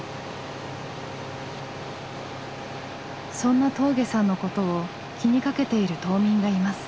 そんな峠さんのことを気にかけている島民がいます。